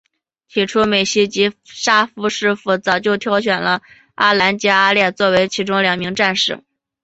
起初美希及沙夫师傅早就挑选了阿兰及阿烈作为其中两名战士。